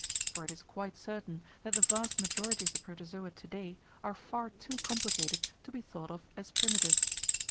For it is quite certain that the vast majority of the Protozoa to day are far too complicated to be thought of as primitive.